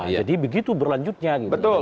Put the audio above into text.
jadi begitu berlanjutnya